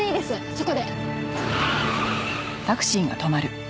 そこで。